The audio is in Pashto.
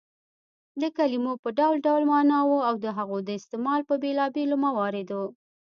د کلیمو په ډول ډول ماناوو او د هغو د استعمال په بېلابيلو مواردو